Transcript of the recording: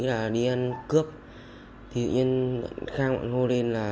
tại ngõ năm trăm năm mươi chín kim nguyên